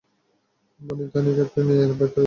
বনি, তানিকে নিয়ে ভিতরে যাও!